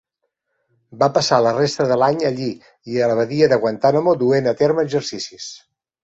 Va passar la resta de l'any allí i a la Badia de Guantánamo duent a terme exercicis.